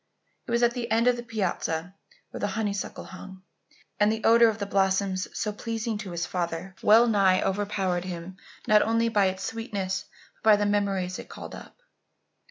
It was at the end of the piazza where the honeysuckle hung, and the odour of the blossoms, so pleasing to his father, well nigh overpowered him not only by its sweetness but by the many memories it called up.